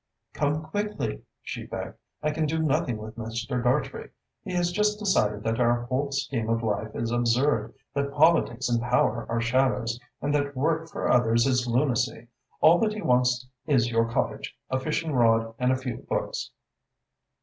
"Come quickly," she begged. "I can do nothing with Mr. Dartrey. He has just decided that our whole scheme of life is absurd, that politics and power are shadows, and that work for others is lunacy. All that he wants is your cottage, a fishing rod and a few books."